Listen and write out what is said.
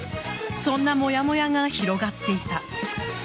そんなもやもやが広がっていた。